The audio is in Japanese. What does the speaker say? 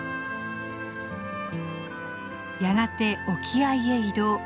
やがて沖合へ移動。